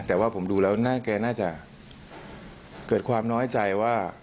แต่ว่าผมดูแล้วแกน่าจะเกิดความน้อยใจว่า